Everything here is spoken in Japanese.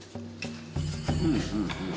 うんうんうん！